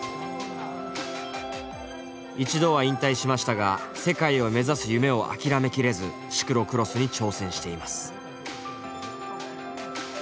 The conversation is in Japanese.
一度は引退しましたが世界を目指す夢を諦めきれずシクロクロスに挑戦しています。